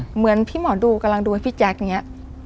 เหมือนพี่หมอดูกำลังดูให้พี่แจ๊คอย่างนี้